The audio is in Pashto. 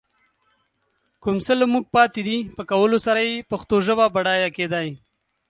کوم څه له موږ پاتې دي، په کولو سره يې پښتو ژبه بډايه کېدای